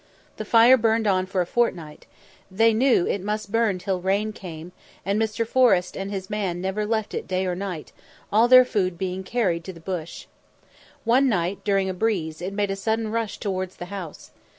The fire burned on for a fortnight; they knew it must burn till rain came, and Mr. Forrest and his man never left it day or night, all their food being carried to the bush. One night, during a breeze, it made a sudden rush towards the house.